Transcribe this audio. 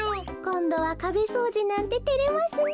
こんどはかべそうじなんててれますねえ。